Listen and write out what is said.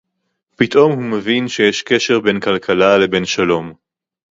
פתאום הוא מבין שיש קשר בין כלכלה לבין שלום